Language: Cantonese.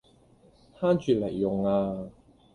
慳住嚟用呀